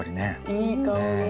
いい香り。